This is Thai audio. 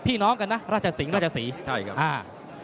พี่น้องกันนะราชสิงหราชศรีใช่ครับอ่า